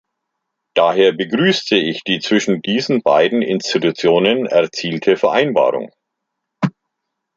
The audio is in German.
Daher begrüße ich die zwischen diesen beiden Institutionen erzielte Vereinbarung.